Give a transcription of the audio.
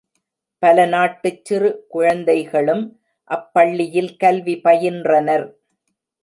பல நாட்டுச் சிறு குழந்தைகளும் அப் பள்ளியில் கல்வி பயின்றனர்.